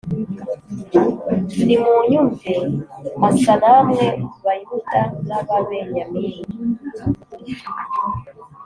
Nimunyumve Asa namwe Bayuda n Ababenyamini